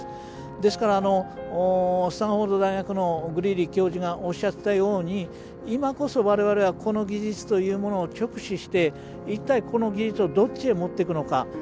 ですからスタンフォード大学のグリーリー教授がおっしゃってたように今こそ我々はこの技術というものを直視して「一体この技術をどっちへ持っていくのか？」